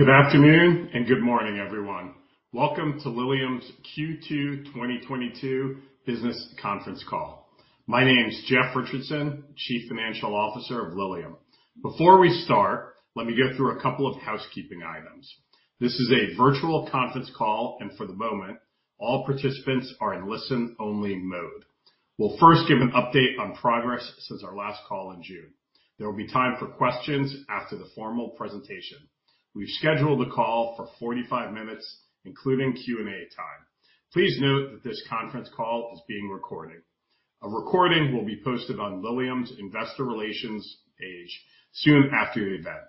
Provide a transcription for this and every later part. Good afternoon, and good morning, everyone. Welcome to Lilium's Q2 2022 business conference call. My name's Geoffrey Richardson, Chief Financial Officer of Lilium. Before we start, let me go through a couple of housekeeping items. This is a virtual conference call, and for the moment, all participants are in listen-only mode. We'll first give an update on progress since our last call in June. There will be time for questions after the formal presentation. We've scheduled the call for 45 minutes, including Q&A time. Please note that this conference call is being recorded. A recording will be posted on Lilium's Investor Relations page soon after the event.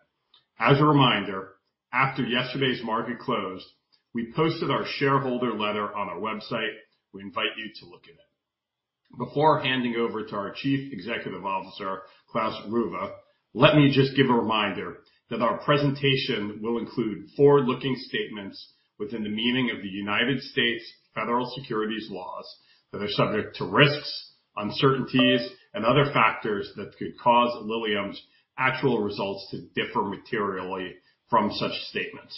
As a reminder, after yesterday's market closed, we posted our shareholder letter on our website. We invite you to look at it. Before handing over to our Chief Executive Officer, Klaus Roewe, let me just give a reminder that our presentation will include forward-looking statements within the meaning of the United States federal securities laws that are subject to risks, uncertainties, and other factors that could cause Lilium's actual results to differ materially from such statements.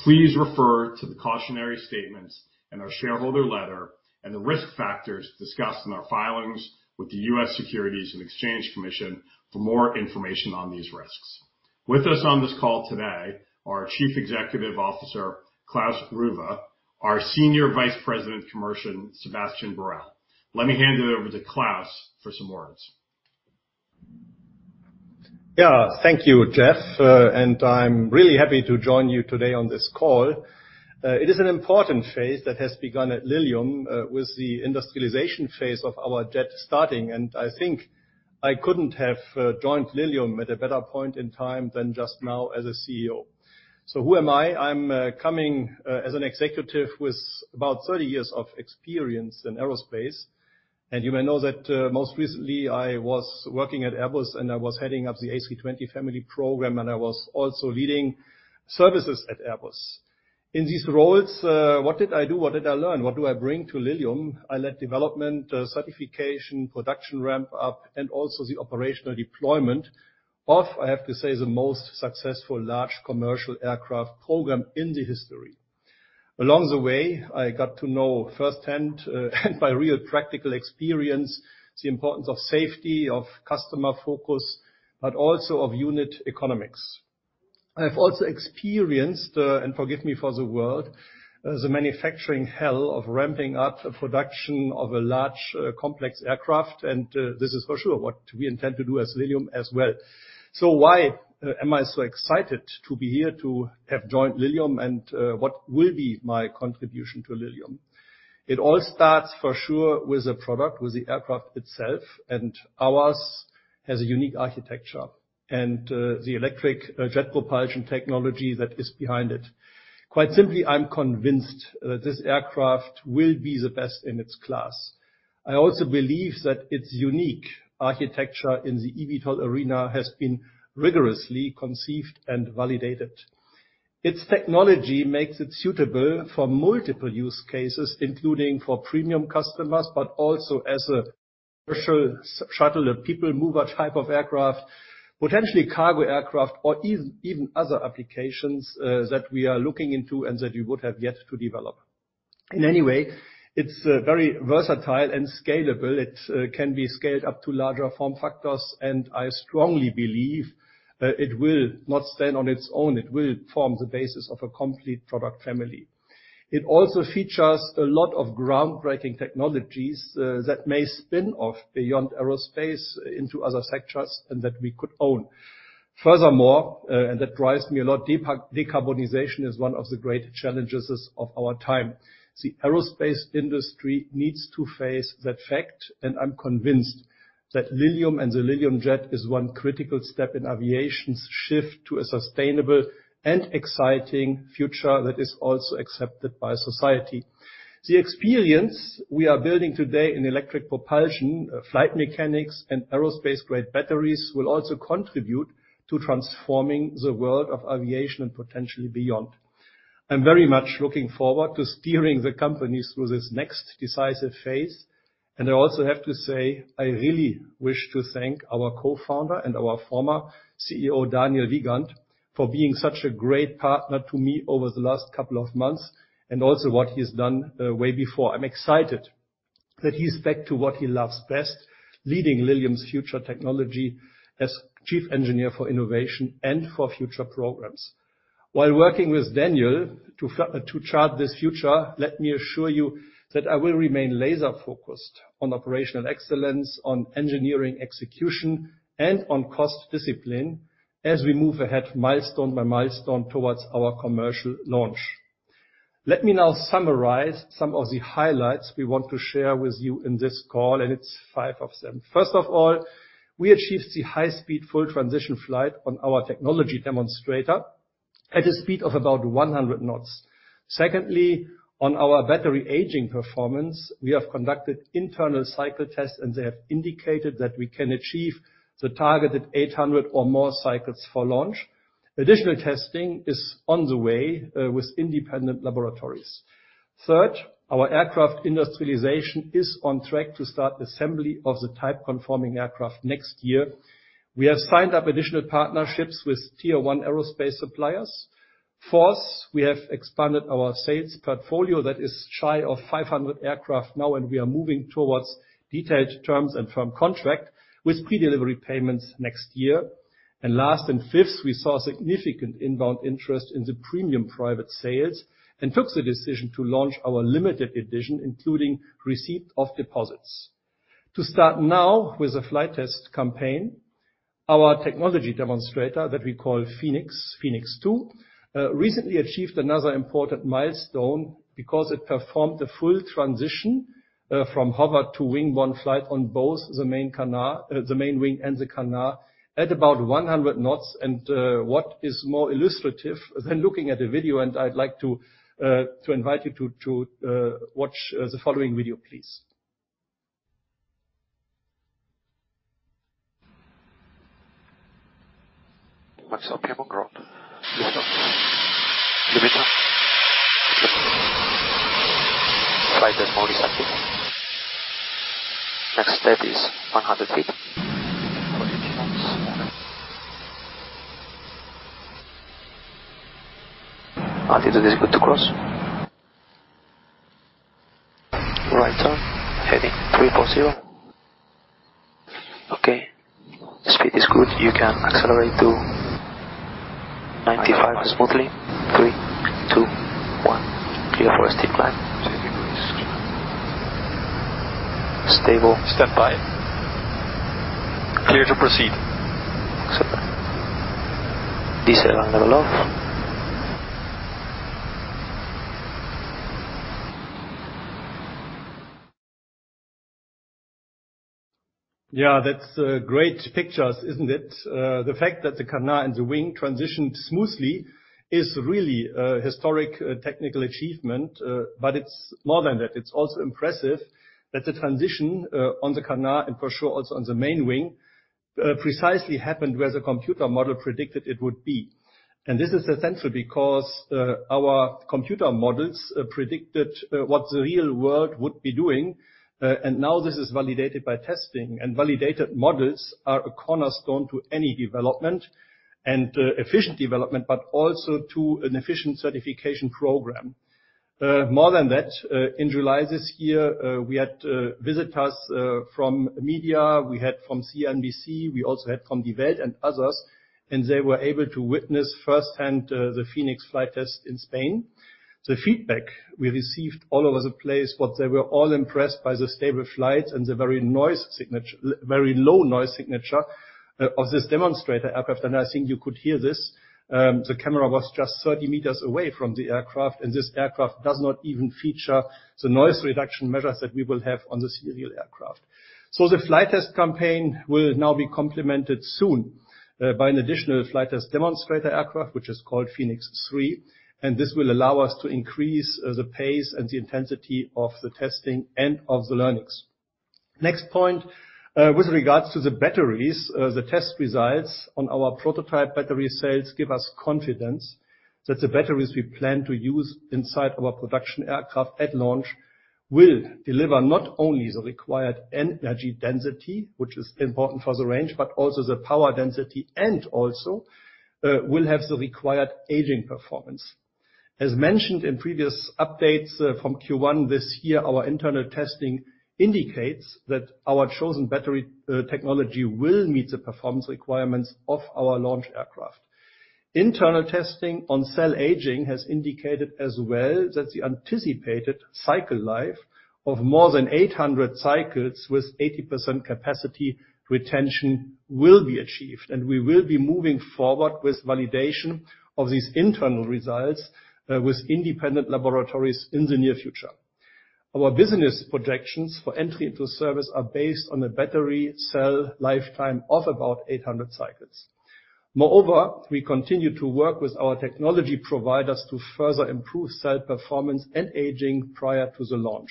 Please refer to the cautionary statements in our shareholder letter and the risk factors discussed in our filings with the U.S. Securities and Exchange Commission for more information on these risks. With us on this call today, our Chief Executive Officer, Klaus Roewe, our Senior Vice President, Commercial, Sebastien Borel. Let me hand it over to Klaus for some words. Yeah, thank you, Jeff. I'm really happy to join you today on this call. It is an important phase that has begun at Lilium, with the industrialization phase of our jet starting, and I think I couldn't have joined Lilium at a better point in time than just now as a CEO. Who am I? I'm coming as an executive with about 30 years of experience in aerospace. You may know that, most recently I was working at Airbus, and I was heading up the A320 family program, and I was also leading services at Airbus. In these roles, what did I do? What did I learn? What do I bring to Lilium? I led development, certification, production ramp-up, and also the operational deployment of, I have to say, the most successful large commercial aircraft program in the history. Along the way, I got to know firsthand and by real practical experience, the importance of safety, of customer focus, but also of unit economics. I have also experienced and forgive me for the word the manufacturing hell of ramping up production of a large complex aircraft, and this is for sure what we intend to do as Lilium as well. Why am I so excited to be here, to have joined Lilium, and what will be my contribution to Lilium? It all starts for sure with the product, with the aircraft itself, and ours has a unique architecture and the electric jet propulsion technology that is behind it. Quite simply, I'm convinced that this aircraft will be the best in its class. I also believe that its unique architecture in the eVTOL arena has been rigorously conceived and validated. Its technology makes it suitable for multiple use cases, including for premium customers, but also as a commercial shuttle, a people mover type of aircraft, potentially cargo aircraft or even other applications, that we are looking into and that we would have yet to develop. In any way, it's very versatile and scalable. It can be scaled up to larger form factors, and I strongly believe that it will not stand on its own. It will form the basis of a complete product family. It also features a lot of groundbreaking technologies, that may spin off beyond aerospace into other sectors and that we could own. Furthermore, that drives me a lot, decarbonization is one of the great challenges of our time. The aerospace industry needs to face that fact, and I'm convinced that Lilium and the Lilium Jet is one critical step in aviation's shift to a sustainable and exciting future that is also accepted by society. The experience we are building today in electric propulsion, flight mechanics, and aerospace-grade batteries will also contribute to transforming the world of aviation and potentially beyond. I'm very much looking forward to steering the company through this next decisive phase, and I also have to say, I really wish to thank our co-founder and our former CEO, Daniel Wiegand, for being such a great partner to me over the last couple of months, and also what he has done, way before. I'm excited that he's back to what he loves best, leading Lilium's future technology as Chief Engineer for Innovation and for Future Programs. While working with Daniel to chart this future, let me assure you that I will remain laser-focused on operational excellence, on engineering execution, and on cost discipline as we move ahead milestone by milestone towards our commercial launch. Let me now summarize some of the highlights we want to share with you in this call, and it's five of them. First of all, we achieved the high-speed full transition flight on our technology demonstrator at a speed of about 100 knots. Secondly, on our battery aging performance, we have conducted internal cycle tests, and they have indicated that we can achieve the targeted 800 or more cycles for launch. Additional testing is on the way, with independent laboratories. Third, our aircraft industrialization is on track to start assembly of the type conforming aircraft next year. We have signed up additional partnerships with tier one aerospace suppliers. Fourth, we have expanded our sales portfolio that is shy of 500 aircraft now, and we are moving towards detailed terms and firm contract with pre-delivery payments next year. Last and fifth, we saw significant inbound interest in the premium private sales and took the decision to launch our limited edition, including receipt of deposits. To start now with the flight test campaign, our technology demonstrator that we call Phoenix 2, recently achieved another important milestone because it performed a full transition from hover to wing-borne flight on both the main wing and the canard at about 100 knots. What is more illustrative than looking at a video, and I'd like to invite you to watch the following video, please. Once okay on ground. Lift off. Flight mode is active. Next step is 100 ft. Altitude is good to cross. Right turn. Heading 340. Okay. Speed is good. You can accelerate to 95 smoothly. 3, 2, 1. Clear for a steep climb. Steep increase. Stable. Standby. Clear to proceed. Accept. [Desend another level]. Yeah, that's great pictures, isn't it? The fact that the canard and the wing transitioned smoothly is really historic technical achievement, but it's more than that. It's also impressive that the transition on the canard and for sure also on the main wing precisely happened where the computer model predicted it would be. This is essential because our computer models predicted what the real world would be doing and now this is validated by testing. Validated models are a cornerstone to any development and efficient development, but also to an efficient certification program. More than that, in July this year, we had visitors from media, we had from CNBC, we also had from Die Welt and others, and they were able to witness firsthand the Phoenix flight test in Spain. The feedback we received all over the place was they were all impressed by the stable flight and the very low noise signature of this demonstrator aircraft. I think you could hear this, the camera was just 30 m away from the aircraft, and this aircraft does not even feature the noise reduction measures that we will have on the serial aircraft. The flight test campaign will now be complemented soon by an additional flight test demonstrator aircraft, which is called Phoenix 3, and this will allow us to increase the pace and the intensity of the testing and of the learnings. Next point, with regards to the batteries, the test results on our prototype battery cells give us confidence that the batteries we plan to use inside our production aircraft at launch will deliver not only the required energy density, which is important for the range, but also the power density and also, will have the required aging performance. As mentioned in previous updates, from Q1 this year, our internal testing indicates that our chosen battery, technology will meet the performance requirements of our launch aircraft. Internal testing on cell aging has indicated as well that the anticipated cycle life of more than 800 cycles with 80% capacity retention will be achieved, and we will be moving forward with validation of these internal results, with independent laboratories in the near future. Our business projections for entry into service are based on a battery cell lifetime of about 800 cycles. Moreover, we continue to work with our technology providers to further improve cell performance and aging prior to the launch.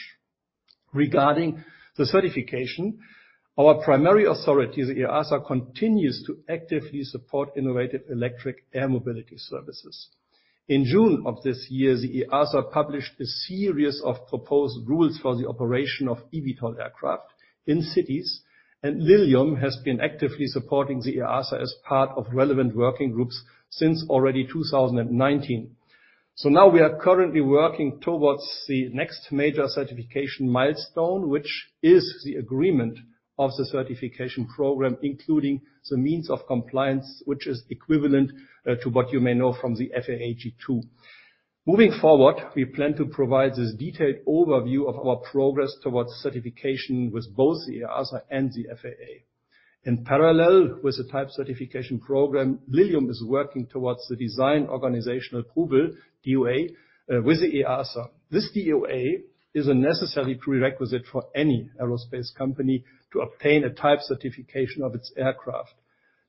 Regarding the certification, our primary authority, the EASA, continues to actively support innovative electric air mobility services. In June of this year, the EASA published a series of proposed rules for the operation of eVTOL aircraft in cities, and Lilium has been actively supporting the EASA as part of relevant working groups since already 2019. Now we are currently working towards the next major certification milestone, which is the agreement of the certification program, including the means of compliance, which is equivalent to what you may know from the FAA G-2. Moving forward, we plan to provide this detailed overview of our progress towards certification with both the EASA and the FAA. In parallel with the type certification program, Lilium is working towards the Design Organizational Approval, DOA, with the EASA. This DOA is a necessary prerequisite for any aerospace company to obtain a type certification of its aircraft.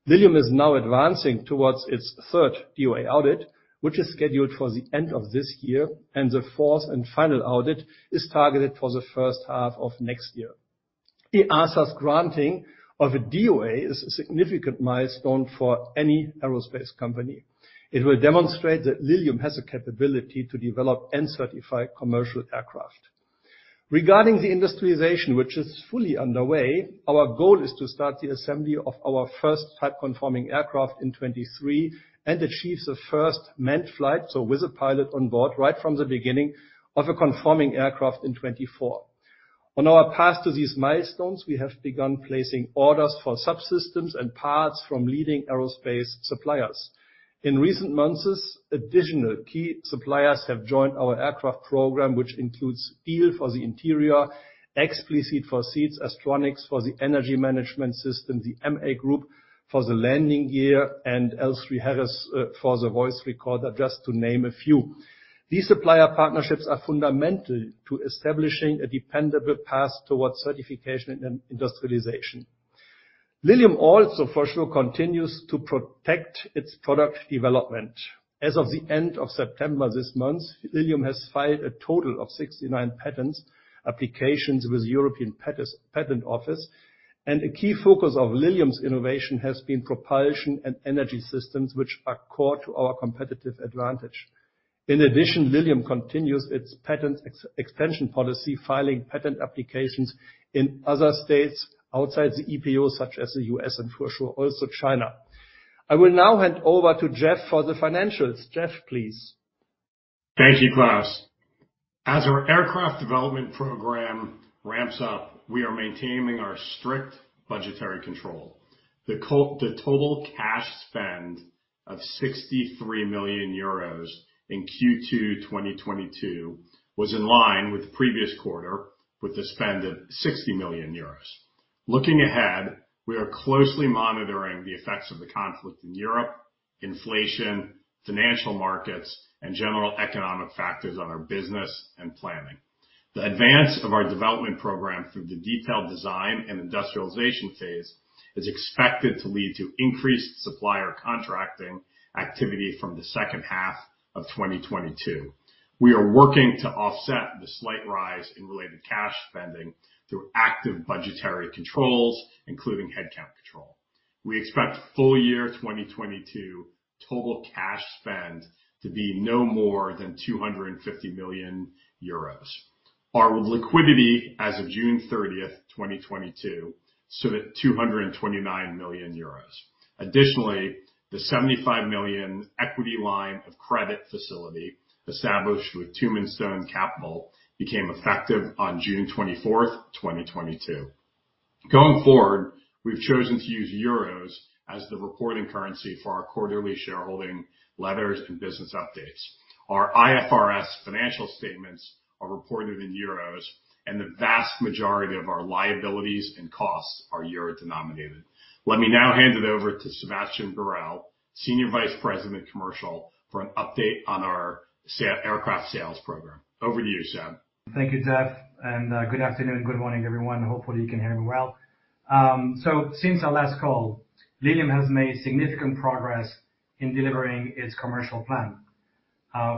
Lilium is now advancing towards its third DOA audit, which is scheduled for the end of this year, and the fourth and final audit is targeted for the first half of next year. The EASA's granting of a DOA is a significant milestone for any aerospace company. It will demonstrate that Lilium has the capability to develop and certify commercial aircraft. Regarding the industrialization, which is fully underway, our goal is to start the assembly of our first type-conforming aircraft in 2023, and achieve the first manned flight, so with a pilot on board, right from the beginning of a conforming aircraft in 2024. On our path to these milestones, we have begun placing orders for subsystems and parts from leading aerospace suppliers. In recent months, additional key suppliers have joined our aircraft program, which includes Diehl for the interior, Expliseat for seats, Astronics for the energy management system, the MA Group for the landing gear, and L3Harris for the voice recorder, just to name a few. These supplier partnerships are fundamental to establishing a dependable path towards certification and then industrialization. Lilium also, for sure, continues to protect its product development. As of the end of September this month, Lilium has filed a total of 69 patent applications with the European Patent Office, and a key focus of Lilium's innovation has been propulsion and energy systems, which are core to our competitive advantage. In addition, Lilium continues its patent expansion policy, filing patent applications in other states outside the EPO, such as the U.S. and for sure, also China. I will now hand over to Jeff for the financials. Jeff, please. Thank you, Klaus. As our aircraft development program ramps up, we are maintaining our strict budgetary control. The total cash spend of 63 million euros in Q2 2022 was in line with the previous quarter, with the spend of 60 million euros. Looking ahead, we are closely monitoring the effects of the conflict in Europe, inflation, financial markets, and general economic factors on our business and planning. The advance of our development program through the detailed design and industrialization phase is expected to lead to increased supplier contracting activity from the second half of 2022. We are working to offset the slight rise in related cash spending through active budgetary controls, including headcount control. We expect full year 2022 total cash spend to be no more than 250 million euros. Our liquidity as of June 30th, 2022 stood at 229 million euros. Additionally, the 75 million equity line of credit facility established with Tumim Stone Capital became effective on June 24th, 2022. Going forward, we've chosen to use euros as the reporting currency for our quarterly shareholder letters and business updates. Our IFRS financial statements are reported in euros, and the vast majority of our liabilities and costs are euro-denominated. Let me now hand it over to Sebastien Borel, Senior Vice President of Commercial, for an update on our aircraft sales program. Over to you, Seb. Thank you, Jeff, and good afternoon, good morning, everyone. Hopefully you can hear me well. Since our last call, Lilium has made significant progress in delivering its commercial plan.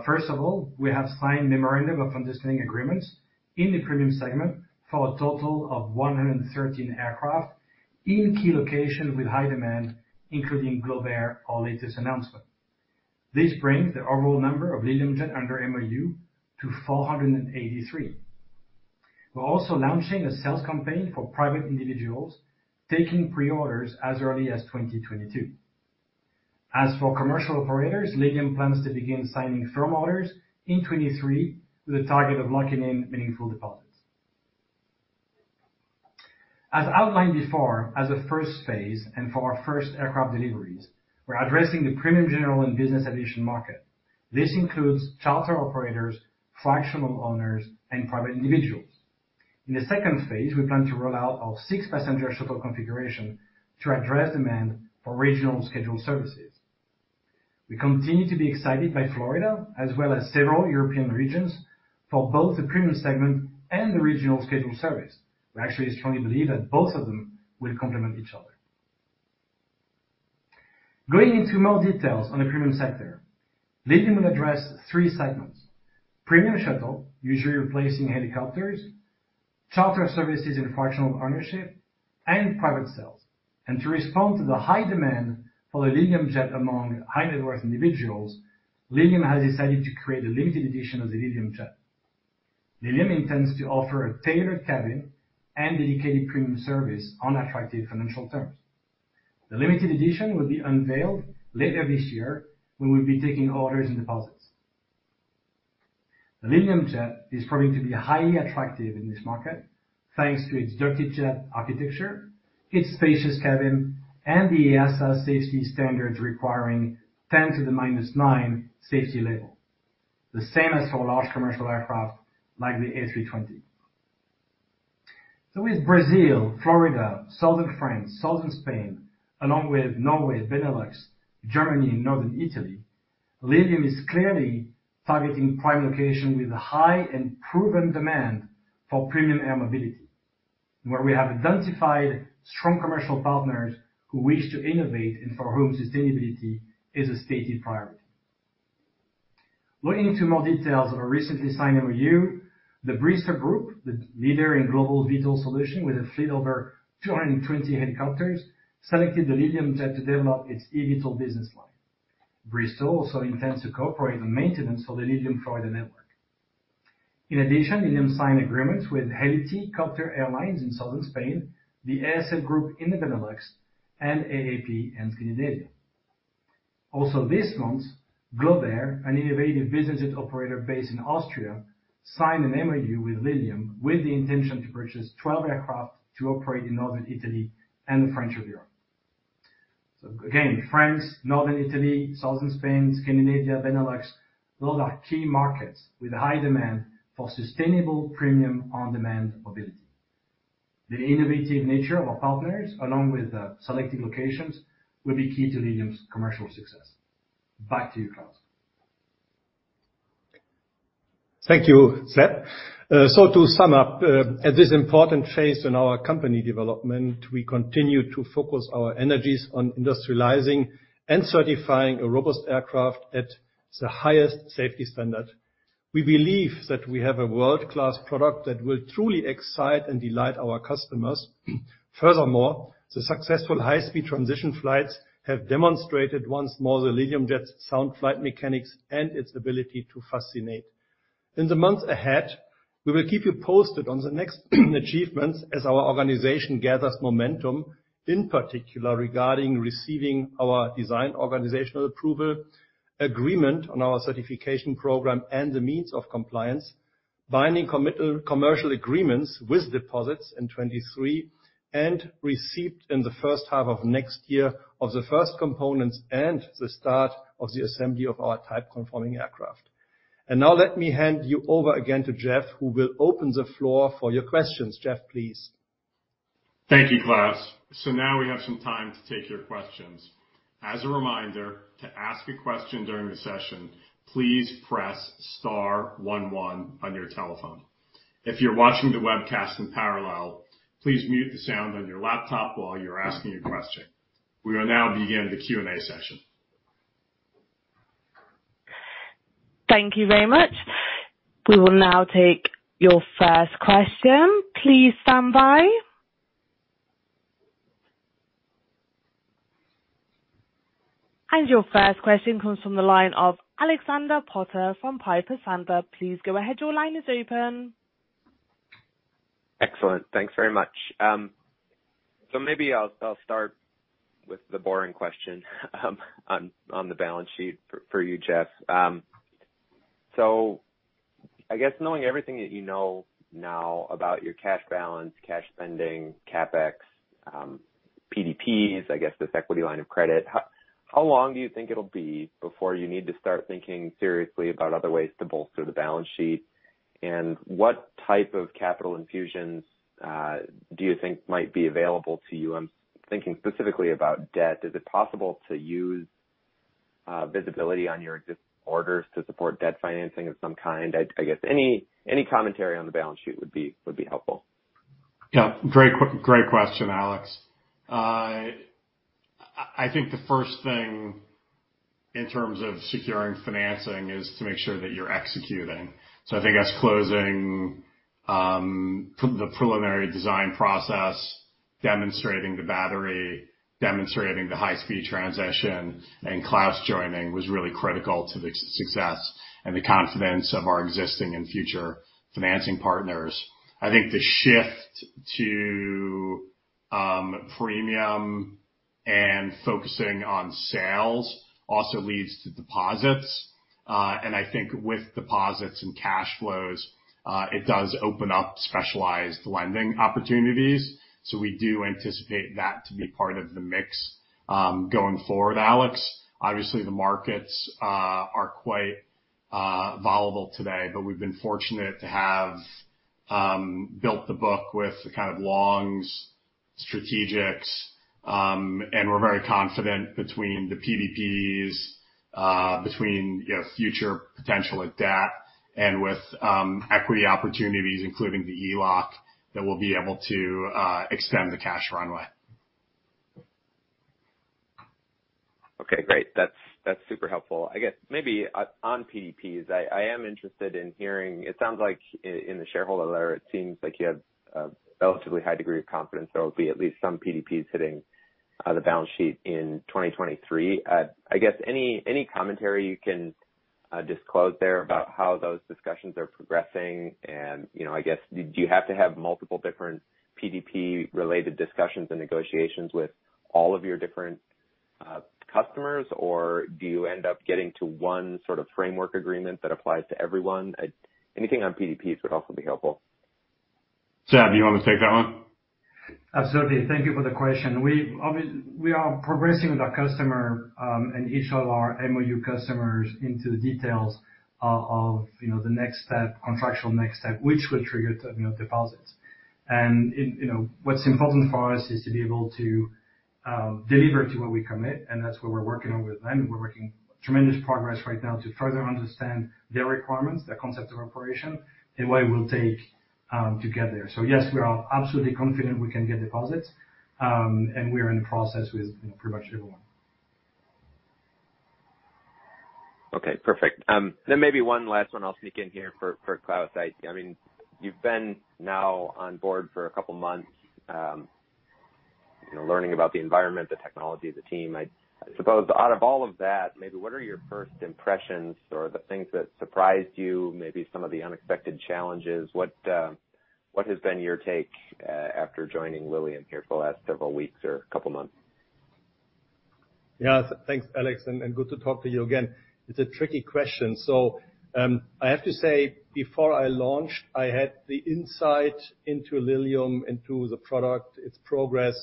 First of all, we have signed memorandum of understanding agreements in the premium segment for a total of 113 aircraft in key locations with high demand, including GlobeAir, our latest announcement. This brings the overall number of Lilium Jet under MOU to 483. We're also launching a sales campaign for private individuals, taking pre-orders as early as 2022. As for commercial operators, Lilium plans to begin signing firm orders in 2023 with a target of locking in meaningful deposits. As outlined before, as a first phase and for our first aircraft deliveries, we're addressing the premium general and business aviation market. This includes charter operators, fractional owners, and private individuals. In the second phase, we plan to roll out our six-passenger shuttle configuration to address demand for regional scheduled services. We continue to be excited by Florida, as well as several European regions, for both the premium segment and the regional scheduled service. We actually strongly believe that both of them will complement each other. Going into more details on the premium sector, Lilium will address three segments. Premium shuttle, usually replacing helicopters, charter services and fractional ownership, and private sales. To respond to the high demand for the Lilium Jet among high-net-worth individuals, Lilium has decided to create a limited edition of the Lilium Jet. Lilium intends to offer a tailored cabin and dedicated premium service on attractive financial terms. The limited edition will be unveiled later this year when we'll be taking orders and deposits. The Lilium Jet is proving to be highly attractive in this market, thanks to its ducted jet architecture, its spacious cabin, and the EASA safety standards requiring ten to the minus nine safety level, the same as for large commercial aircraft like the A320. With Brazil, Florida, Southern France, Southern Spain, along with Norway, Benelux, Germany, and Northern Italy, Lilium is clearly targeting prime location with a high and proven demand for premium air mobility, where we have identified strong commercial partners who wish to innovate and for whom sustainability is a stated priority. Looking into more details of our recently signed MOU, the Bristow Group, the leader in global vertical flight solutions with a fleet of over 220 helicopters, selected the Lilium Jet to develop its eVTOL business line. Bristow also intends to cooperate on maintenance for the Lilium Florida network. In addition, Lilium signed agreements with Helity Copter Airlines in southern Spain, the ASL Group in the Benelux, and AAP Aviation in Scandinavia. Also this month, GlobeAir, an innovative business jet operator based in Austria, signed an MOU with Lilium with the intention to purchase 12 aircraft to operate in northern Italy and the French Riviera. Again, France, northern Italy, southern Spain, Scandinavia, Benelux. Those are key markets with high demand for sustainable premium on-demand mobility. The innovative nature of our partners, along with the selected locations, will be key to Lilium's commercial success. Back to you, Klaus. Thank you, Seb. So to sum up, at this important phase in our company development, we continue to focus our energies on industrializing and certifying a robust aircraft at the highest safety standard. We believe that we have a world-class product that will truly excite and delight our customers. Furthermore, the successful high-speed transition flights have demonstrated once more the Lilium Jet's sound flight mechanics and its ability to fascinate. In the months ahead, we will keep you posted on the next achievements as our organization gathers momentum, in particular regarding receiving our Design Organization Approval, agreement on our certification program and the means of compliance, binding commercial agreements with deposits in 2023, and received in the first half of next year of the first components and the start of the assembly of our type-conforming aircraft. Now let me hand you over again to Jeff, who will open the floor for your questions. Jeff, please. Thank you, Klaus. Now we have some time to take your questions. As a reminder, to ask a question during the session, please press star one one on your telephone. If you're watching the webcast in parallel, please mute the sound on your laptop while you're asking your question. We will now begin the Q&A session. Thank you very much. We will now take your first question. Please stand by. Your first question comes from the line of Alexander Potter from Piper Sandler. Please go ahead. Your line is open. Excellent. Thanks very much. Maybe I'll start with the boring question on the balance sheet for you, Jeff. I guess knowing everything that you know now about your cash balance, cash spending, CapEx, PDPs, I guess this equity line of credit, how long do you think it'll be before you need to start thinking seriously about other ways to bolster the balance sheet? What type of capital infusions do you think might be available to you? I'm thinking specifically about debt. Is it possible to use visibility on your existing orders to support debt financing of some kind? I guess any commentary on the balance sheet would be helpful. Yeah, great question, Alex. I think the first thing in terms of securing financing is to make sure that you're executing. I think us closing the preliminary design process, demonstrating the battery, demonstrating the high-speed transition, and Klaus joining was really critical to the success and the confidence of our existing and future financing partners. I think the shift to premium and focusing on sales also leads to deposits. I think with deposits and cash flows, it does open up specialized lending opportunities. We do anticipate that to be part of the mix, going forward, Alex. Obviously, the markets are quite volatile today, but we've been fortunate to have built the book with the kind of longs, strategics, and we're very confident between the PDPs, you know, future potential and debt and with equity opportunities, including the ELOC, that we'll be able to extend the cash runway. Okay, great. That's super helpful. I guess maybe on PDPs, I am interested in hearing, it sounds like in the shareholder letter, it seems like you have a relatively high degree of confidence there will be at least some PDPs hitting the balance sheet in 2023. I guess any commentary you can disclose there about how those discussions are progressing and, you know, I guess do you have to have multiple different PDP related discussions and negotiations with all of your different customers, or do you end up getting to one sort of framework agreement that applies to everyone? Anything on PDPs would also be helpful. Seb, do you want to take that one? Absolutely. Thank you for the question. We are progressing with our customer and each of our MOU customers into the details of, you know, the next step, contractual next step, which will trigger, you know, deposits. It, you know, what's important for us is to be able to deliver to what we commit, and that's what we're working on with them. We're making tremendous progress right now to further understand their requirements, their concept of operation, and what it will take. To get there. Yes, we are absolutely confident we can get deposits, and we are in the process with pretty much everyone. Okay, perfect. Then maybe one last one I'll sneak in here for Klaus. I mean, you've been now on board for a couple of months, you know, learning about the environment, the technology, the team. I suppose out of all of that, maybe what are your first impressions or the things that surprised you, maybe some of the unexpected challenges. What has been your take after joining Lilium here for the last several weeks or couple of months? Yeah. Thanks, Alex, and good to talk to you again. It's a tricky question. I have to say, before I launched, I had the insight into Lilium, into the product, its progress,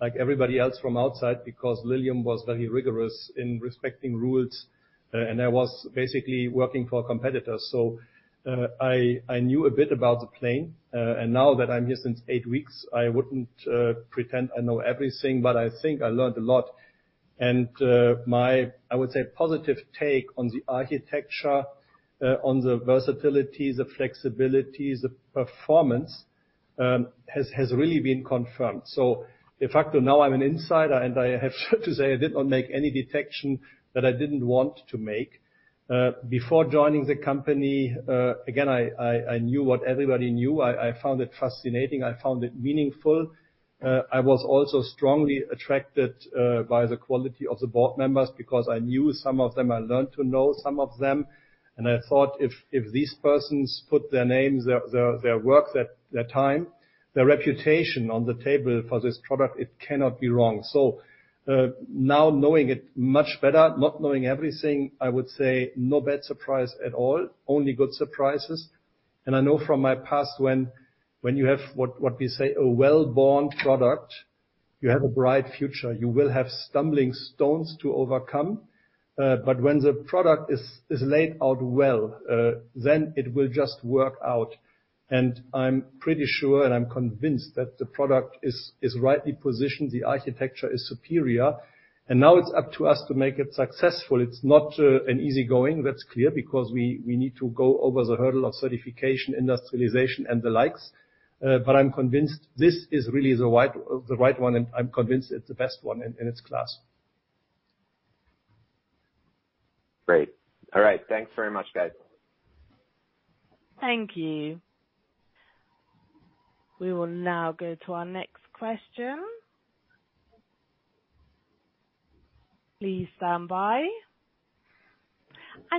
like everybody else from outside, because Lilium was very rigorous in respecting rules, and I was basically working for competitors. I knew a bit about the plane. Now that I'm here since 8 weeks, I wouldn't pretend I know everything, but I think I learned a lot. My, I would say, positive take on the architecture, on the versatility, the flexibility, the performance, has really been confirmed. De facto, now I'm an insider, and I have to say I did not make any deduction that I didn't want to make. Before joining the company, again, I knew what everybody knew. I found it fascinating. I found it meaningful. I was also strongly attracted by the quality of the board members because I knew some of them, I learned to know some of them. I thought if these persons put their names, their work, their time, their reputation on the table for this product, it cannot be wrong. Now knowing it much better, not knowing everything, I would say no bad surprise at all, only good surprises. I know from my past, when you have what we say, a well-born product, you have a bright future. You will have stumbling stones to overcome. When the product is laid out well, then it will just work out. I'm pretty sure, and I'm convinced that the product is rightly positioned, the architecture is superior, and now it's up to us to make it successful. It's not an easy going, that's clear, because we need to go over the hurdle of certification, industrialization and the likes. I'm convinced this is really the right one, and I'm convinced it's the best one in its class. Great. All right. Thanks very much, guys. Thank you. We will now go to our next question. Please stand by.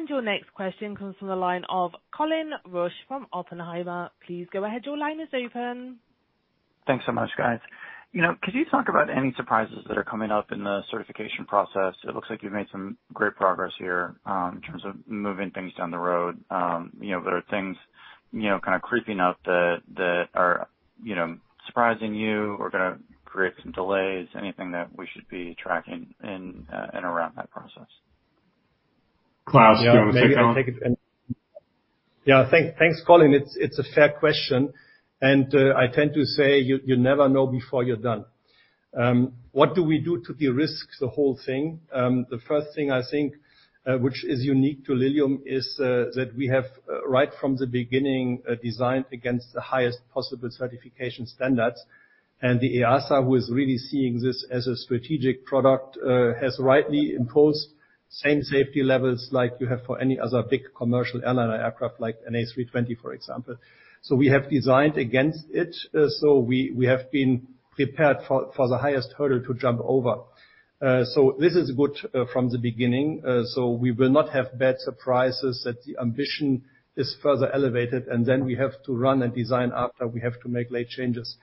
Your next question comes from the line of Colin Rusch from Oppenheimer. Please go ahead. Your line is open. Thanks so much, guys. You know, could you talk about any surprises that are coming up in the certification process? It looks like you've made some great progress here in terms of moving things down the road. You know, there are things, you know, kind of creeping up that are, you know, surprising you or gonna create some delays. Anything that we should be tracking in and around that process? Klaus, do you want to take that one? Yeah. Maybe I'll take it. Yeah. Thanks, Colin. It's a fair question, and I tend to say you never know before you're done. What do we do to de-risk the whole thing? The first thing I think, which is unique to Lilium, is that we have right from the beginning designed against the highest possible certification standards. And the EASA, who is really seeing this as a strategic product, has rightly imposed same safety levels like you have for any other big commercial airliner aircraft, like an A320, for example. We have designed against it. We have been prepared for the highest hurdle to jump over. This is good from the beginning, so we will not have bad surprises that the ambition is further elevated, and then we have to run and design after we have to make late changes.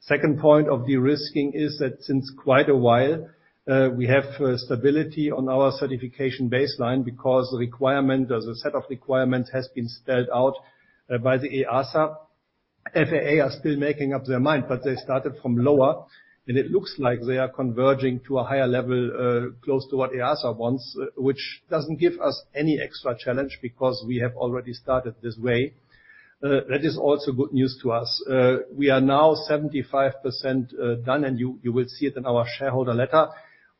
Second point of de-risking is that since quite a while, we have stability on our certification baseline because requirement, as a set of requirements, has been spelled out by the EASA. EASA are still making up their mind, but they started from lower, and it looks like they are converging to a higher level close to what EASA wants, which doesn't give us any extra challenge because we have already started this way. That is also good news to us. We are now 75% done, and you will see it in our shareholder letter.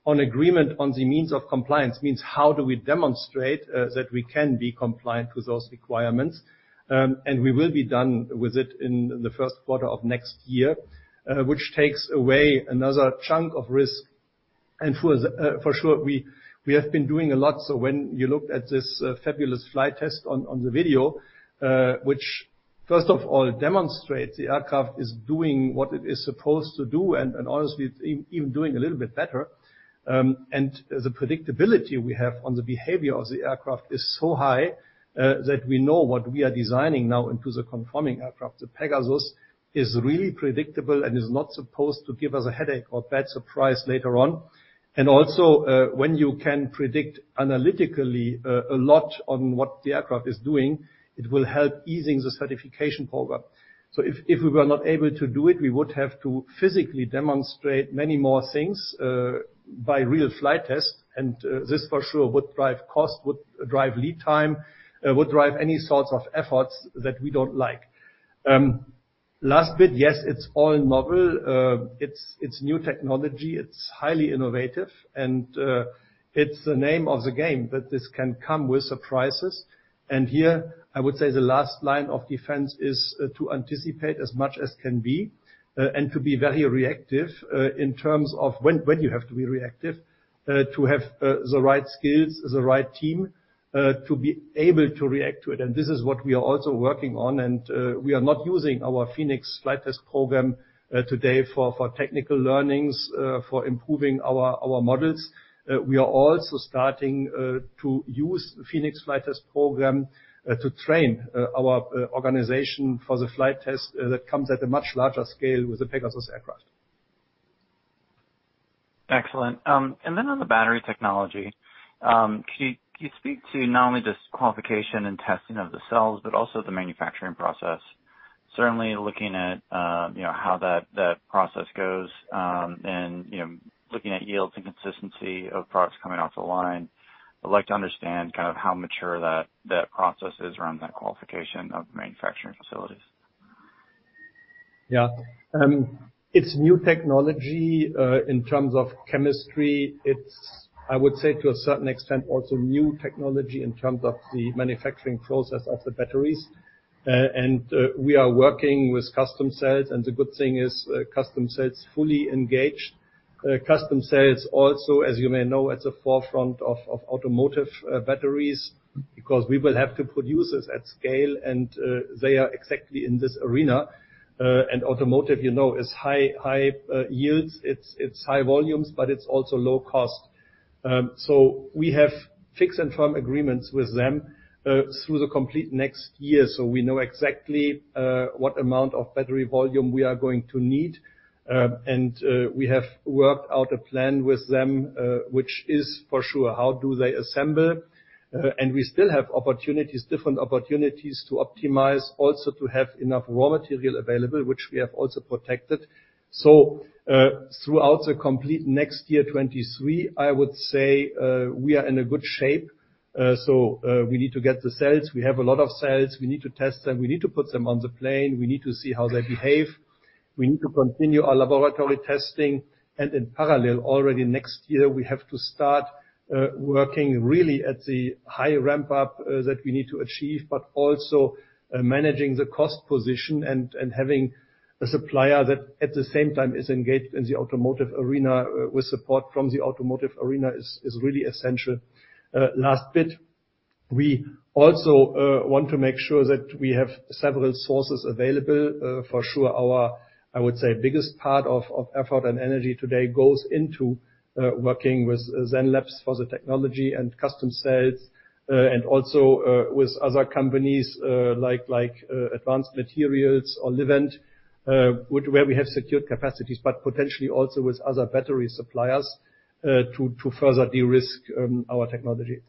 An agreement on the means of compliance means how do we demonstrate that we can be compliant with those requirements. We will be done with it in the first quarter of next year, which takes away another chunk of risk. For sure, we have been doing a lot. When you look at this fabulous flight test on the video, which first of all demonstrates the aircraft is doing what it is supposed to do, and honestly, it's even doing a little bit better. The predictability we have on the behavior of the aircraft is so high that we know what we are designing now into the conforming aircraft. The Pegasus is really predictable and is not supposed to give us a headache or bad surprise later on. Also, when you can predict analytically a lot on what the aircraft is doing, it will help easing the certification program. If we were not able to do it, we would have to physically demonstrate many more things by real flight test, and this for sure would drive cost, would drive lead time, would drive any sorts of efforts that we don't like. Last bit, yes, it's all novel. It's new technology, it's highly innovative, and it's the name of the game that this can come with surprises. Here, I would say the last line of defense is to anticipate as much as can be and to be very reactive in terms of when you have to be reactive to have the right skills, the right team to be able to react to it. This is what we are also working on. We are not using our Phoenix flight test program today for technical learnings for improving our models. We are also starting to use Phoenix flight test program to train our organization for the flight test that comes at a much larger scale with the Pegasus aircraft. Excellent. On the battery technology, can you speak to not only just qualification and testing of the cells but also the manufacturing process? Certainly looking at, you know, how that process goes, and, you know, looking at yields and consistency of products coming off the line. I'd like to understand kind of how mature that process is around that qualification of manufacturing facilities. Yeah. It's new technology. In terms of chemistry, it's, I would say to a certain extent, also new technology in terms of the manufacturing process of the batteries. We are working with Customcells, and the good thing is, Customcells fully engaged. Customcells also, as you may know, at the forefront of automotive batteries, because we will have to produce this at scale, and they are exactly in this arena. Automotive, you know, is high yields. It's high volumes, but it's also low cost. We have fixed and firm agreements with them through the complete next year. We know exactly what amount of battery volume we are going to need. We have worked out a plan with them, which is for sure how do they assemble. We still have opportunities, different opportunities to optimize, also to have enough raw material available, which we have also protected. Throughout the complete next year, 2023, I would say, we are in a good shape. We need to get the cells. We have a lot of cells. We need to test them, we need to put them on the plane. We need to see how they behave. We need to continue our laboratory testing. In parallel, already next year, we have to start working really at the high ramp up that we need to achieve, but also managing the cost position and having a supplier that, at the same time, is engaged in the automotive arena with support from the automotive arena is really essential. Last bit, we also want to make sure that we have several sources available. For sure our, I would say, biggest part of effort and energy today goes into working with Zenlabs for the technology and Customcells, and also with other companies, like Advanced Materials or Livent, where we have secured capacities, but potentially also with other battery suppliers to further de-risk our technology.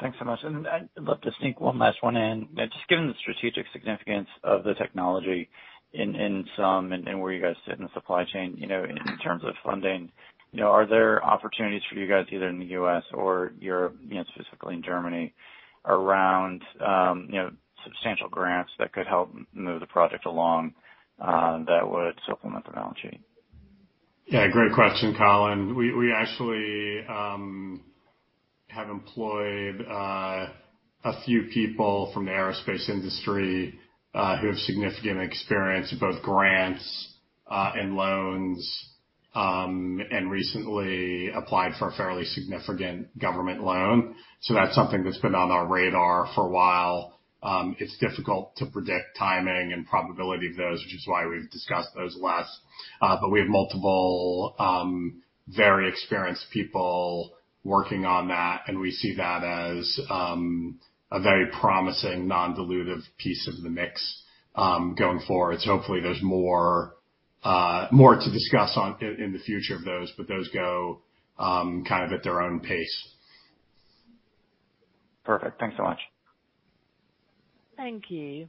Thanks so much. I'd love to sneak one last one in. Just given the strategic significance of the technology in sum and where you guys sit in the supply chain, you know, in terms of funding, you know, are there opportunities for you guys either in the U.S. or Europe, you know, specifically in Germany, around, you know, substantial grants that could help move the project along, that would supplement the balance sheet? Yeah, great question, Colin. We actually have employed a few people from the aerospace industry who have significant experience in both grants and loans, and recently applied for a fairly significant government loan. That's something that's been on our radar for a while. It's difficult to predict timing and probability of those, which is why we've discussed those less. We have multiple very experienced people working on that, and we see that as a very promising non-dilutive piece of the mix going forward. Hopefully there's more to discuss in the future of those, but those go kind of at their own pace. Perfect. Thanks so much. Thank you.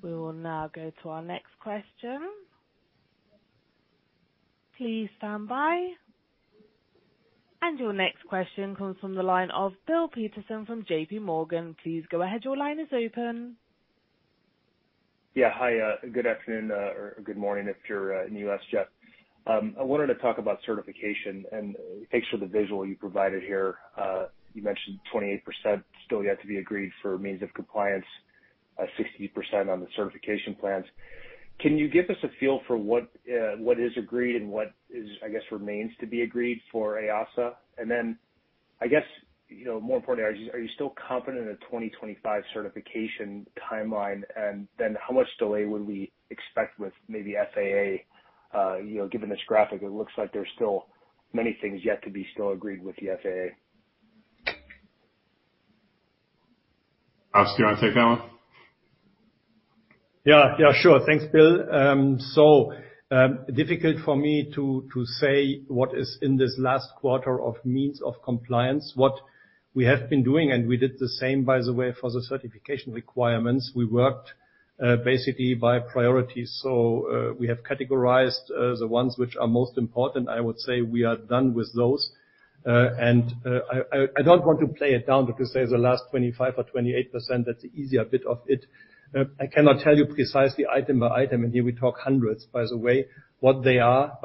We will now go to our next question. Please stand by. Your next question comes from the line of Bill Peterson from JPMorgan. Please go ahead. Your line is open. Yeah. Hi. Good afternoon, or good morning if you're in the U.S., Jeff. I wanted to talk about certification and thanks for the visual you provided here. You mentioned 28% still yet to be agreed for means of compliance, 60% on the certification plans. Can you give us a feel for what is agreed and what is, I guess, remains to be agreed for EASA? Then I guess, you know, more importantly, are you still confident in a 2025 certification timeline? Then how much delay would we expect with maybe EASA? You know, given this graphic, it looks like there's still many things yet to be still agreed with the EASA. Geoffrey Richardson, do you wanna take that one? Yeah. Yeah, sure. Thanks, Bill. Difficult for me to say what is in this last quarter of means of compliance, what we have been doing, and we did the same, by the way, for the certification requirements. We worked basically by priorities. We have categorized the ones which are most important. I would say we are done with those. I don't want to play it down to just say the last 25% or 28%, that's the easier bit of it. I cannot tell you precisely item by item, and here we talk hundreds by the way, what they are.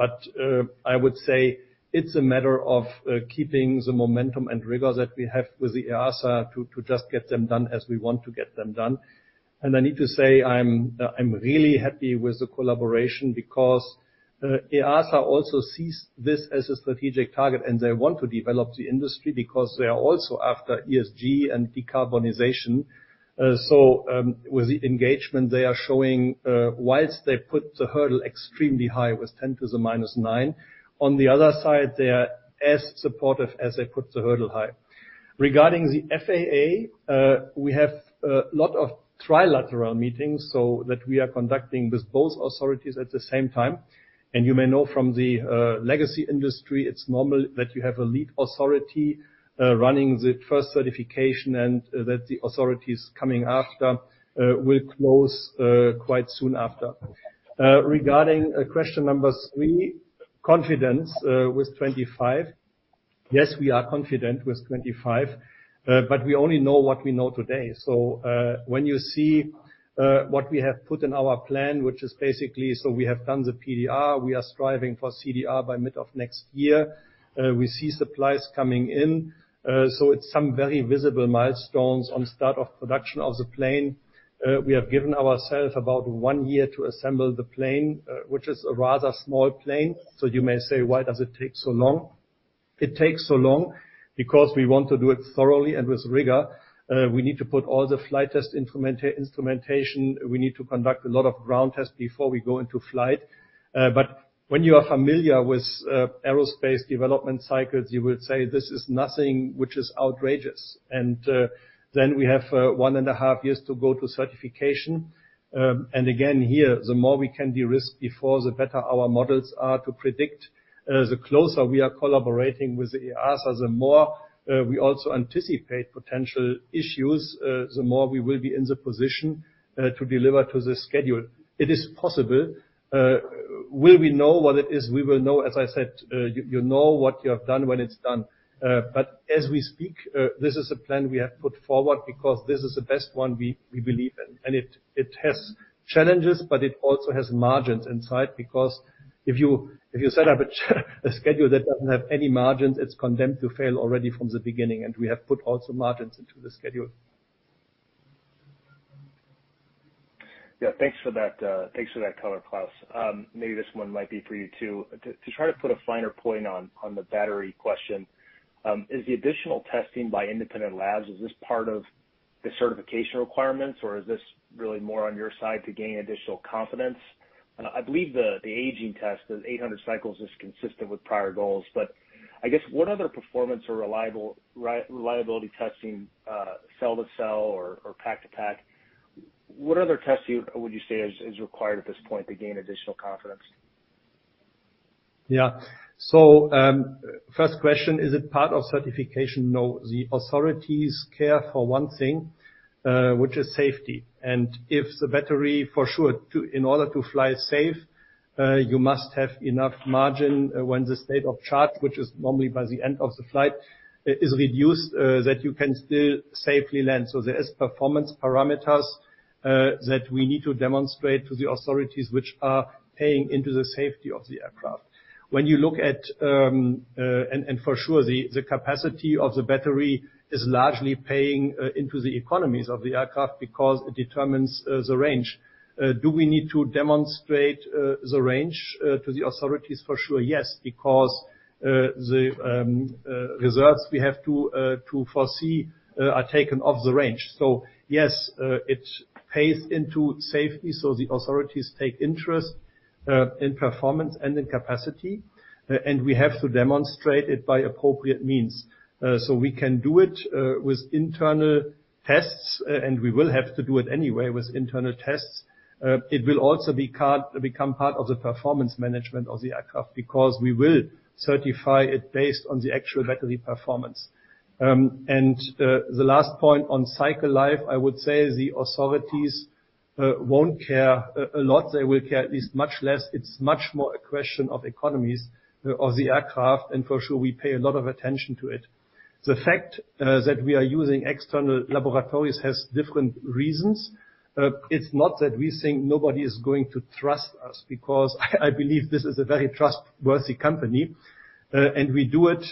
I would say it's a matter of keeping the momentum and rigor that we have with the EASA to just get them done as we want to get them done. I need to say I'm really happy with the collaboration because EASA also sees this as a strategic target, and they want to develop the industry because they are also after ESG and decarbonization. With the engagement they are showing, while they put the hurdle extremely high with ten to the minus nine, on the other side, they are as supportive as they put the hurdle high. Regarding EASA, we have a lot of trilateral meetings, so that we are conducting with both authorities at the same time. You may know from the legacy industry, it's normal that you have a lead authority running the first certification and that the authorities coming after will close quite soon after. Regarding question number three, confidence with 25%. Yes, we are confident with 25%. We only know what we know today. When you see what we have put in our plan, which is basically so we have done the PDR, we are striving for CDR by mid of next year. We see supplies coming in, so it's some very visible milestones on start of production of the plane. We have given ourselves about one year to assemble the plane, which is a rather small plane. You may say, "Why does it take so long?" It takes so long because we want to do it thoroughly and with rigor. We need to put all the flight test instrumentation. We need to conduct a lot of ground tests before we go into flight. When you are familiar with aerospace development cycles, you will say this is nothing which is outrageous. We have 1.5 years to go to certification. The more we can de-risk before, the better our models are to predict. The closer we are collaborating with the EASA, the more we also anticipate potential issues, the more we will be in the position to deliver to the schedule. It is possible. Will we know what it is? We will know, as I said, you know what you have done when it's done. As we speak, this is a plan we have put forward because this is the best one we believe in, and it has challenges, but it also has margins inside. Because if you set up a schedule that doesn't have any margins, it's condemned to fail already from the beginning, and we have put also margins into the schedule. Yeah. Thanks for that, thanks for that color, Klaus. Maybe this one might be for you too. To try to put a finer point on the battery question, is the additional testing by independent labs part of the certification requirements, or is this really more on your side to gain additional confidence? I believe the aging test of 800 cycles is consistent with prior goals, but I guess what other performance or reliability testing, cell to cell or pack to pack, would you say is required at this point to gain additional confidence? Yeah. First question, is it part of certification? No. The authorities care for one thing, which is safety. If the battery in order to fly safe, you must have enough margin when the state of charge, which is normally by the end of the flight, is reduced, that you can still safely land. There is performance parameters that we need to demonstrate to the authorities which are playing into the safety of the aircraft. When you look at, for sure the capacity of the battery is largely playing into the economics of the aircraft because it determines the range. Do we need to demonstrate the range to the authorities? For sure, yes, because the results we have to verify are taken from the range. Yes, it plays into safety, so the authorities take interest in performance and in capacity, and we have to demonstrate it by appropriate means. We can do it with internal tests, and we will have to do it anyway with internal tests. It will also become part of the performance management of the aircraft because we will certify it based on the actual battery performance. The last point on cycle life, I would say the authorities won't care a lot. They will care at least much less. It's much more a question of economy of the aircraft, and for sure we pay a lot of attention to it. The fact that we are using external laboratories has different reasons. It's not that we think nobody is going to trust us because I believe this is a very trustworthy company, and we do it.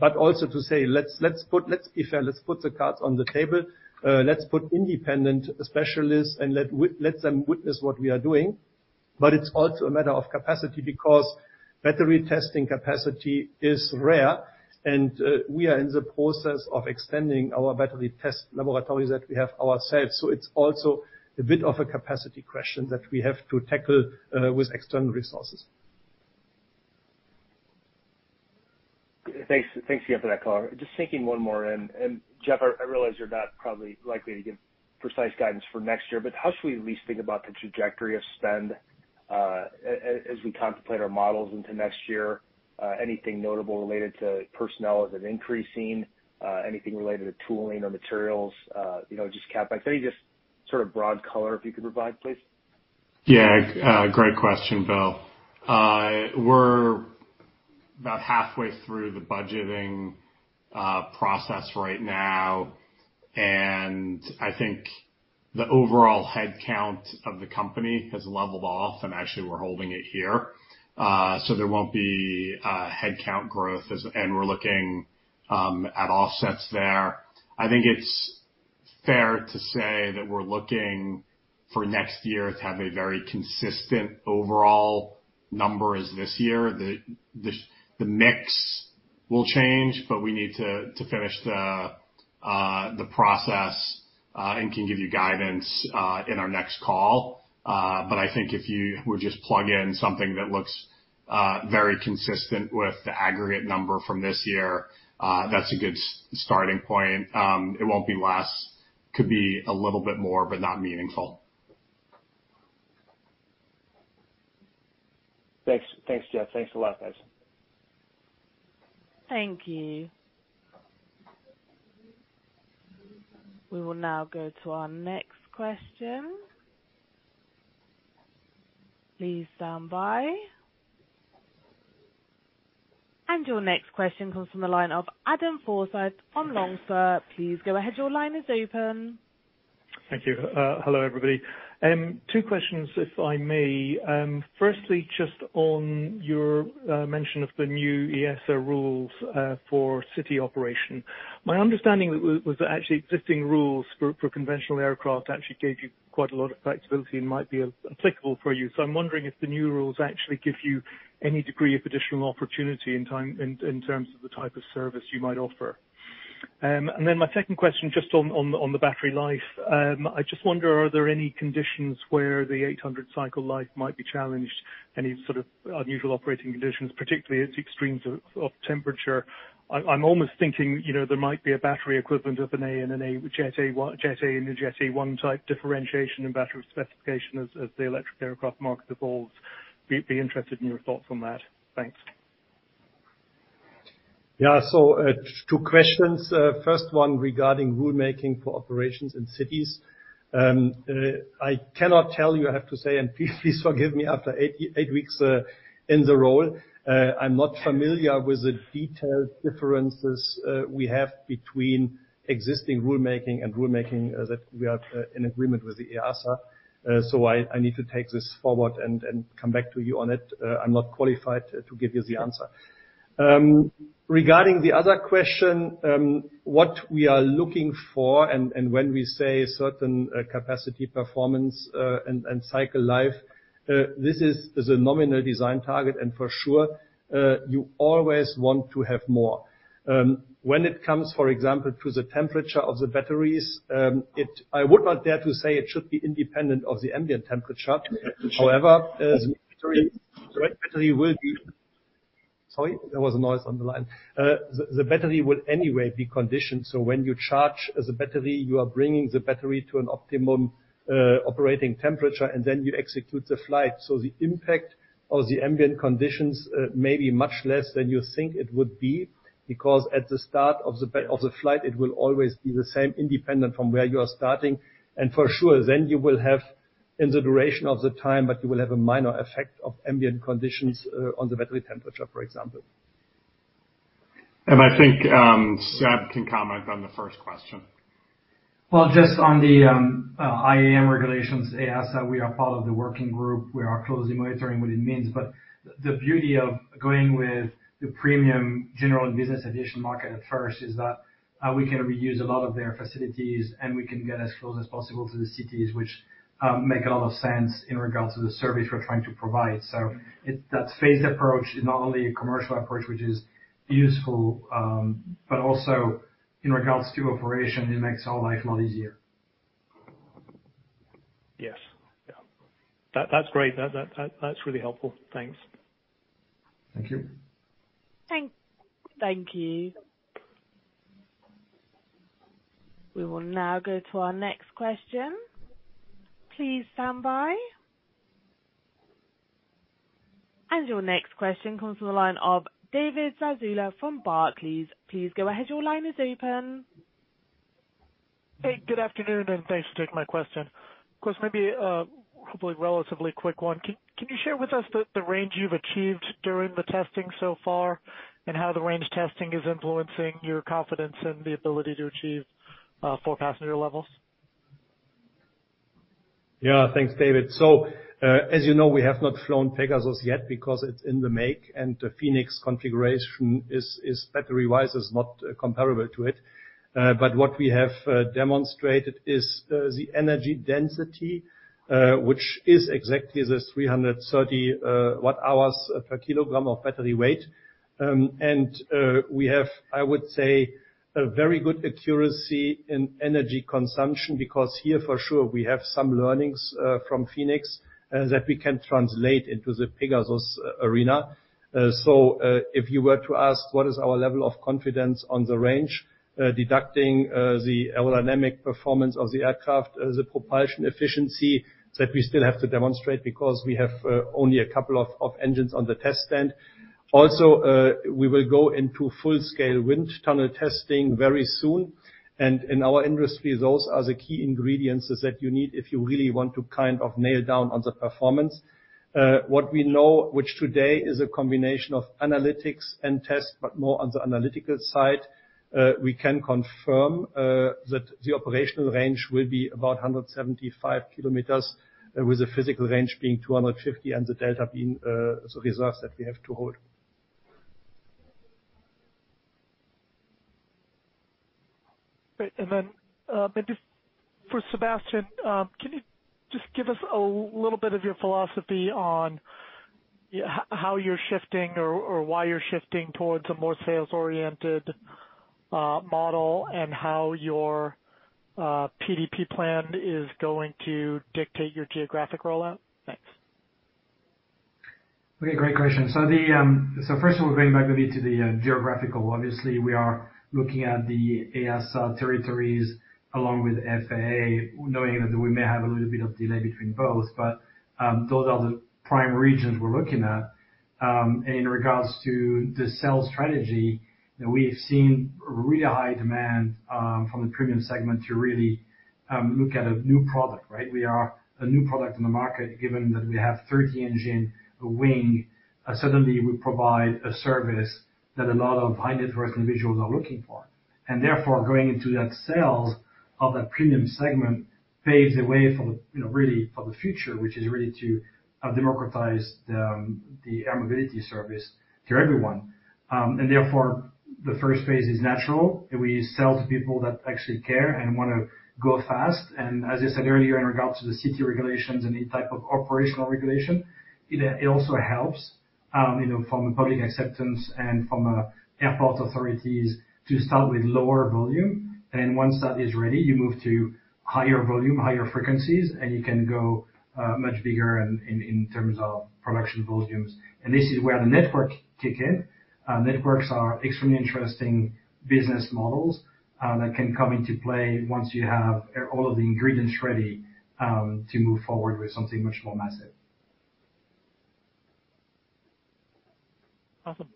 Also to say, let's put the cards on the table, let's put independent specialists and let them witness what we are doing. It's also a matter of capacity because battery testing capacity is rare, and we are in the process of extending our battery test laboratories that we have ourselves. It's also a bit of a capacity question that we have to tackle with external resources. Thanks. Thanks again for that color. Just thinking one more, and Jeff, I realize you're not probably likely to give precise guidance for next year, but how should we at least think about the trajectory of spend? As we contemplate our models into next year, anything notable related to personnel? Is it increasing? Anything related to tooling or materials? You know, just CapEx. Any just sort of broad color if you could provide, please? Yeah. Great question, Bill. We're about halfway through the budgeting process right now, and I think the overall headcount of the company has leveled off and actually we're holding it here. So there won't be headcount growth and we're looking at offsets there. I think it's fair to say that we're looking for next year to have a very consistent overall number as this year. The mix will change, but we need to finish the process and can give you guidance in our next call. But I think if you were to just plug in something that looks very consistent with the aggregate number from this year, that's a good starting point. It won't be less. Could be a little bit more, but not meaningful. Thanks. Thanks, Jeff. Thanks a lot, guys. Thank you. We will now go to our next question. Please stand by. Your next question comes from the line of Adam Forsyth on Longspur. Please go ahead. Your line is open. Thank you. Hello everybody. Two questions, if I may. Firstly, just on your mention of the new EASA rules for city operation. My understanding was that actually existing rules for conventional aircraft actually gave you quite a lot of flexibility and might be applicable for you. I'm wondering if the new rules actually give you any degree of additional opportunity in time in terms of the type of service you might offer. And then my second question, just on the battery life, I just wonder, are there any conditions where the 800 cycle life might be challenged? Any sort of unusual operating conditions, particularly at extremes of temperature? I'm almost thinking, you know, there might be a battery equivalent of a Jet A and a Jet A-1 type differentiation in battery specification as the electric aircraft market evolves. Be interested in your thoughts on that. Thanks. Yeah. Two questions. First one regarding rulemaking for operations in cities. I cannot tell you, I have to say, and please forgive me, after eight weeks in the role, I'm not familiar with the detailed differences we have between existing rulemaking and rulemaking that we are in agreement with the EASA. I need to take this forward and come back to you on it. I'm not qualified to give you the answer. Regarding the other question, what we are looking for, and when we say certain capacity, performance, and cycle life, this is the nominal design target, and for sure, you always want to have more. When it comes, for example, to the temperature of the batteries, I would not dare to say it should be independent of the ambient temperature. However, the battery will be. Sorry, there was a noise on the line. The battery will anyway be conditioned, so when you charge the battery, you are bringing the battery to an optimum operating temperature, and then you execute the flight. The impact of the ambient conditions may be much less than you think it would be, because at the start of the flight, it will always be the same independent from where you are starting. For sure, then you will have in the duration of the time, but you will have a minor effect of ambient conditions on the battery temperature, for example. I think, Seb can comment on the first question. Well, just on the IAM regulations, EASA, we are part of the working group. We are closely monitoring what it means. The beauty of going with the premium general and business edition market at first is that we can reuse a lot of their facilities, and we can get as close as possible to the cities, which make a lot of sense in regards to the service we're trying to provide. That phased approach is not only a commercial approach, which is useful, but also in regards to operation, it makes our life a lot easier. Yes. Yeah. That's great. That's really helpful. Thanks. Thank you. Thank you. We will now go to our next question. Please stand by. Your next question comes from the line of David Zazula from Barclays. Please go ahead. Your line is open. Hey, good afternoon, and thanks for taking my question. Of course, maybe, hopefully a relatively quick one. Can you share with us the range you've achieved during the testing so far, and how the range testing is influencing your confidence in the ability to achieve four passenger levels? Yeah. Thanks, David. As you know, we have not flown Pegasus yet because it's in the make and the Phoenix configuration is battery-wise not comparable to it. What we have demonstrated is the energy density, which is exactly 330 Wh/kg of battery weight. We have, I would say, a very good accuracy in energy consumption, because here for sure we have some learnings from Phoenix that we can translate into the Pegasus arena. If you were to ask what is our level of confidence on the range, deducting the aerodynamic performance of the aircraft, the propulsion efficiency that we still have to demonstrate because we have only a couple of engines on the test stand. Also, we will go into full scale wind tunnel testing very soon, and in our industry, those are the key ingredients that you need if you really want to kind of nail down on the performance. What we know, which today is a combination of analytics and test, but more on the analytical side, we can confirm, that the operational range will be about 175 km, with the physical range being 250 km and the delta being, the results that we have to hold. Maybe for Sebastien, can you just give us a little bit of your philosophy on how you're shifting or why you're shifting towards a more sales-oriented model and how your PDP plan is going to dictate your geographic rollout? Thanks Okay, great question. First of all, going back a bit to the geographical. Obviously, we are looking at the EASA territories along with EASA, knowing that we may have a little bit of delay between both. Those are the prime regions we're looking at. In regards to the sales strategy, we've seen really high demand from the premium segment to really look at a new product, right? We are a new product in the market, given that we have 30 engine wing, suddenly we provide a service that a lot of high net worth individuals are looking for. Therefore, going into that sales of that premium segment paves the way for, you know, really for the future, which is really to democratize the air mobility service to everyone. Therefore, the first phase is natural. We sell to people that actually care and wanna go fast. As I said earlier, in regards to the city regulations and any type of operational regulation, it also helps, you know, from a public acceptance and from airport authorities to start with lower volume. Once that is ready, you move to higher volume, higher frequencies, and you can go much bigger in terms of production volumes. This is where the network kick in. Networks are extremely interesting business models that can come into play once you have all of the ingredients ready to move forward with something much more massive. Awesome.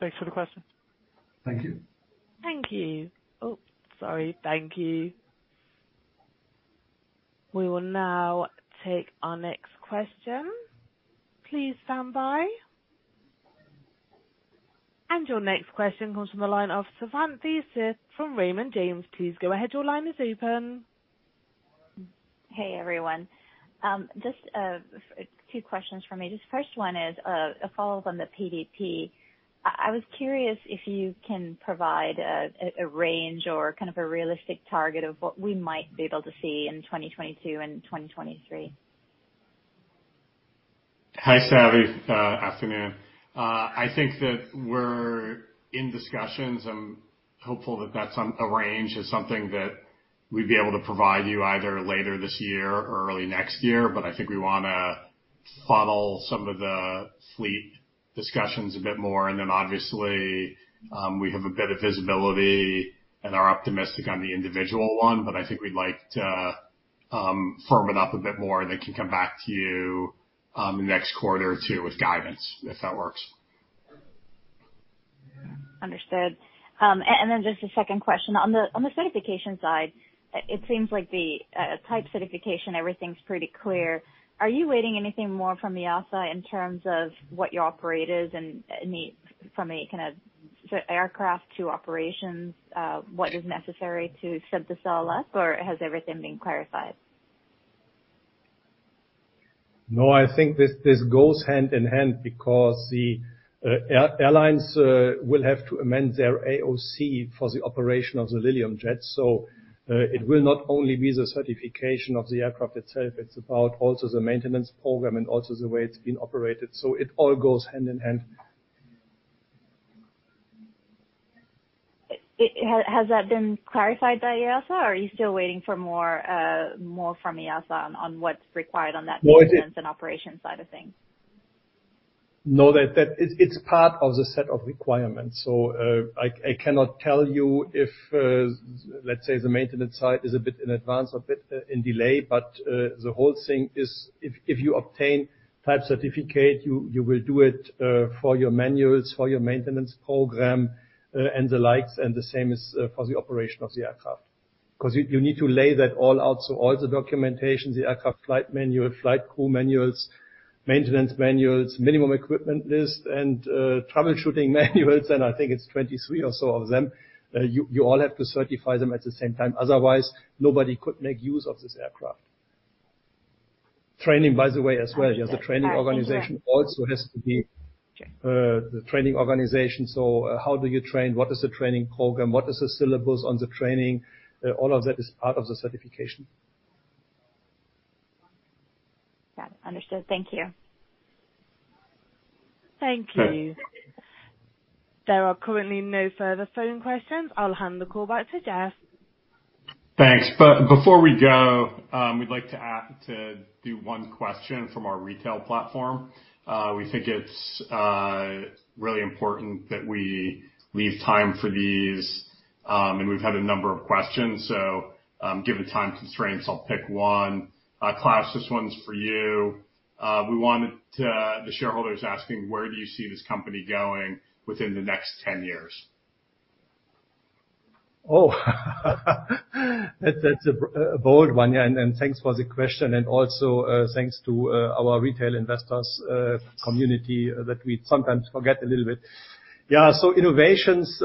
Thanks for the question. Thank you. Thank you. Oh, sorry. Thank you. We will now take our next question. Please stand by. Your next question comes from the line of Savanthi Syth from Raymond James. Please go ahead. Your line is open. Hey, everyone. Just two questions for me. First one is a follow-up on the PDP. I was curious if you can provide a range or kind of a realistic target of what we might be able to see in 2022 and 2023. Hi, Savanthi. Afternoon. I think that we're in discussions. I'm hopeful that that's on a range is something that we'd be able to provide you either later this year or early next year. I think we wanna funnel some of the fleet discussions a bit more. Then obviously, we have a bit of visibility and are optimistic on the individual one, but I think we'd like to firm it up a bit more, and then can come back to you next quarter or two with guidance, if that works. Understood. Just a second question. On the certification side, it seems like the type certification, everything's pretty clear. Are you waiting anything more from EASA in terms of what your operators from a kind of aircraft to operations, what is necessary to set this all up, or has everything been clarified? No, I think this goes hand in hand because the airlines will have to amend their AOC for the operation of the Lilium Jet. It will not only be the certification of the aircraft itself, it's about also the maintenance program and also the way it's being operated. It all goes hand in hand. Has that been clarified by EASA, or are you still waiting for more from EASA on what's required on that maintenance and operation side of things? No, it's part of the set of requirements. I cannot tell you if, let's say, the maintenance side is a bit in advance, a bit in delay, but the whole thing is if you obtain type certificate, you will do it for your manuals, for your maintenance program, and the likes, and the same is for the operation of the aircraft. 'Cause you need to lay that all out, so all the documentation, the aircraft flight manual, flight crew manuals, maintenance manuals, minimum equipment list, and troubleshooting manuals, and I think it's 23 or so of them, you all have to certify them at the same time. Otherwise, nobody could make use of this aircraft. Training, by the way, as well. Got it. You have the training organization also has to be the training organization. How do you train? What is the training program? What is the syllabus on the training? All of that is part of the certification. Got it. Understood. Thank you. Thank you. There are currently no further phone questions. I'll hand the call back to Jeff. Thanks. Before we go, we'd like to do one question from our retail platform. We think it's really important that we leave time for these, and we've had a number of questions. Given time constraints, I'll pick one. Klaus, this one's for you. The shareholder is asking, where do you see this company going within the next 10 years? Oh. That's a bold one. Yeah. Thanks for the question. Also, thanks to our retail investors community that we sometimes forget a little bit. Yeah, so innovations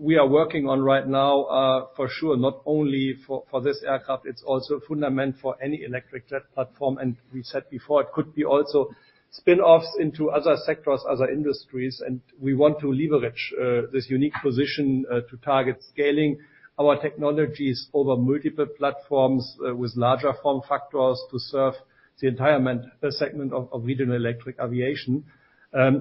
we are working on right now, for sure, not only for this aircraft, it's also fundamental for any electric jet platform. We said before, it could be also spin-offs into other sectors, other industries. We want to leverage this unique position to target scaling our technologies over multiple platforms with larger form factors to serve the entire segment of regional electric aviation.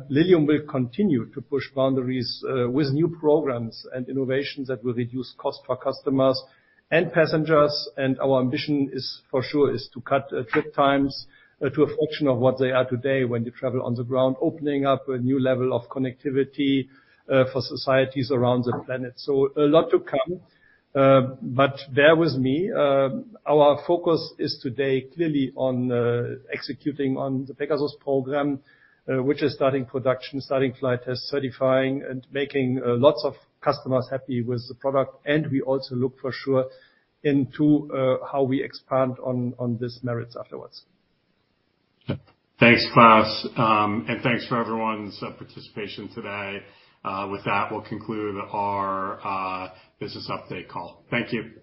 Lilium will continue to push boundaries with new programs and innovations that will reduce cost for customers and passengers. Our ambition is for sure to cut trip times to a fraction of what they are today when you travel on the ground, opening up a new level of connectivity for societies around the planet. A lot to come. Bear with me. Our focus is today, clearly, on executing on the Pegasus program, which is starting production, starting flight tests, certifying, and making lots of customers happy with the product. We also look for sure into how we expand on this merits afterwards. Thanks, Klaus. Thanks for everyone's participation today. With that, we'll conclude our business update call. Thank you.